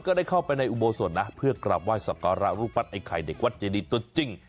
ได้เข้าไปในอุโบสถนะเพื่อกราบไห้สักการะรูปปั้นไอ้ไข่เด็กวัดเจดีตัวจริง